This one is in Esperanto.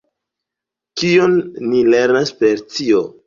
Kion ni lernas per tio?